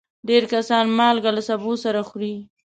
ډېر کسان مالګه له سبو سره خوري.